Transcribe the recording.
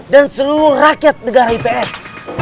dan seluruh rakyat negara ips